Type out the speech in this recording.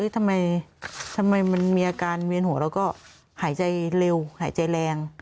ทำไมมันมีอาการเวียนหัวแล้วก็หายใจเร็วหายใจแรง